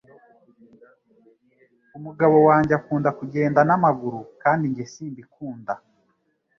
umugabo wanjye akunda kujyenda namaguru kandi njye simbikunda